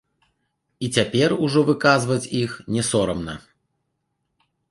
І цяпер ужо выказваць іх не сорамна.